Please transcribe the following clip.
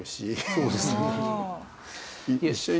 そうですね。